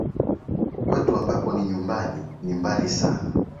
Kwetu, ambapo ni nyumbani, ni mbali sana.